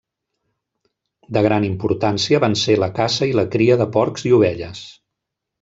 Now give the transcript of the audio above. De gran importància van ser la caça i la cria de porcs i ovelles.